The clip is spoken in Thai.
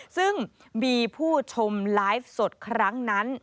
ซึ่งมีผู้ชมไลฟ์สดครั้งนั้น